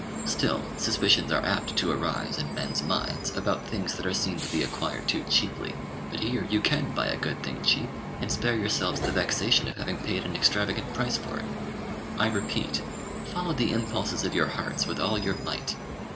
Still, suspicions are apt to arise in men's minds about things that are seen to be acquired too cheaply; but here you can buy a good thing cheap, and spare yourselves the vexation of having paid an extravagant price for it. I repeat, follow the impulses of your hearts with all your might.